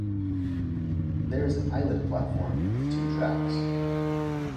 There is an island platform with two tracks.